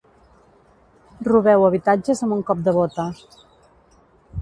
Robeu habitatges amb un cop de bota.